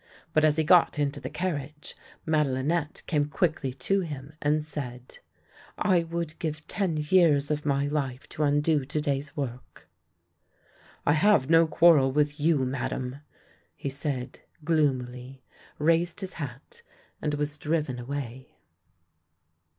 But as he got into the carriage, Madelinette came quickly to him, and said: " I would give ten years of my life to undo to day's work! "" I have no quarrel with you, Madame! " he said gloomily, raised his hat, and was driven away.